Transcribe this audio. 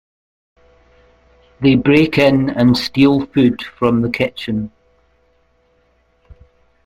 They break in and steal food from the kitchen.